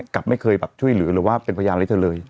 กลับไม่เคยช่วยหรือเป็นพยานอะไรเธอเลย